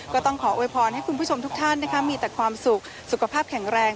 ก็ต้องขอโวยพรให้คุณผู้ชมทุกท่านมีแต่ความสุขสุขภาพแข็งแรง